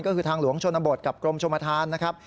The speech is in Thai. ก็คือทางหลวงชนบทกับกรมชมธานนะครับ